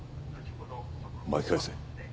巻き返せ。